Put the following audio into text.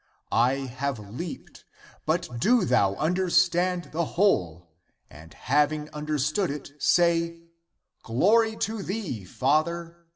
I have leaped ; but do thou understand the whole, and having understood it say, Glory to thee. Father